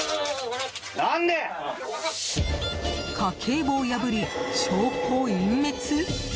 家計簿を破り、証拠隠滅？